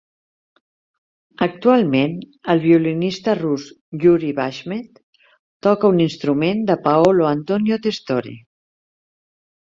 Actualment, el violista rus Yuri Bashmet toca un instrument de Paolo Antonio Testore.